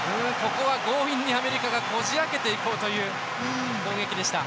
ここは強引にアメリカがこじ開けていこうという攻撃でした。